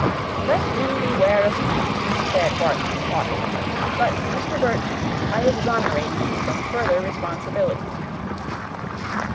"Let him beware of me," said Wharton, haughtily. "But, Mr. Birch, I exonerate you from further responsibility."